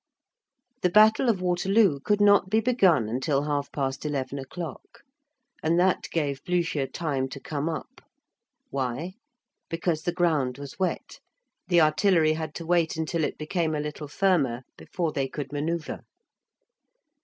The battle of Waterloo could not be begun until half past eleven o'clock, and that gave Blücher time to come up. Why? Because the ground was wet. The artillery had to wait until it became a little firmer before they could manœuvre.